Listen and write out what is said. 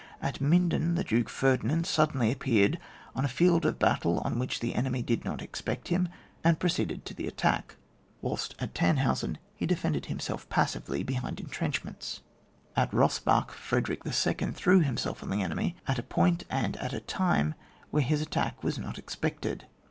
At Minden, the Duke Eerdinand sud denly appeared on a field of battle on which the enemy did not expect him, and proceeded to the attack ; whilst at Tann hausen he defended himsftlf passively behind entrenchments. At Bossbach, Frederick U. threw himself on the enemy at a point and at a time where his attack was not ex pected.